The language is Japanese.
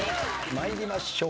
参りましょう。